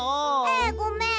えごめん。